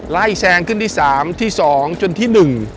ไล่แซงขึ้นที่๓ที่๒จนที่๑